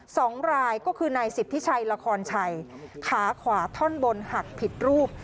สองรายก็คือนายสิทธิชัยละครชัยขาขวาท่อนบนหักผิดรูป